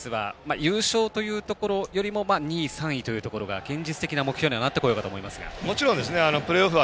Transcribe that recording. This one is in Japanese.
逆にジャイアンツは優勝というところよりも２位３位というところが現実的な目標になってこようかと思いますが。